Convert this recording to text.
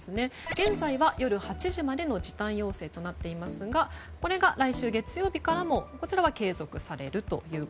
現在は夜８時までの時短要請となっていますがこれが来週月曜日からもこちらは継続されます。